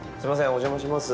お邪魔します。